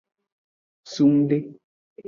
Sungde.